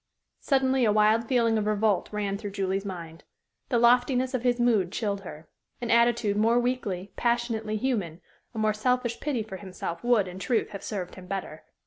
Suddenly a wild feeling of revolt ran through Julie's mind. The loftiness of his mood chilled her. An attitude more weakly, passionately human, a more selfish pity for himself would, in truth, have served him better.